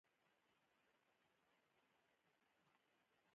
علم انسان ته عزت ورکوي.